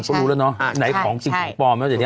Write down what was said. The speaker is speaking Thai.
เขารู้แล้วเนอะไหนของจริงของปลอม